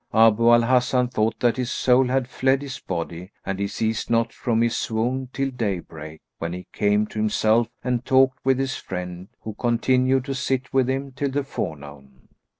Abu al Hasan thought that his soul had fled his body and he ceased not from his swoon till day break, when he came to himself and talked with his friend, who continued to sit with him till the forenoon.